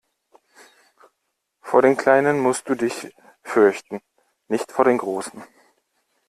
Vor den kleinen musst du dich fürchten, nicht vor den großen!